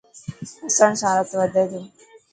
هسڻ سان رت وڌي تو.